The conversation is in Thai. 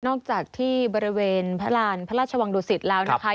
อกจากที่บริเวณพระราณพระราชวังดุสิตแล้วนะคะ